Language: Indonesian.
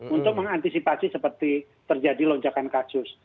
untuk mengantisipasi seperti terjadi lonjakan kasus